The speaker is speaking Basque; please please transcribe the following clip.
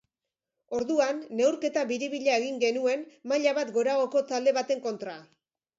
Orduan neurketa biribila egin genuen maila bat goragoko talde baten kontra.